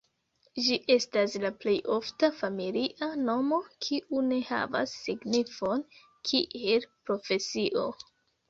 Ĝi estas la plej ofta familia nomo kiu ne havas signifon kiel profesio.